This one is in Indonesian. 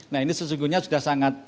nah ini sesungguhnya sudah sangat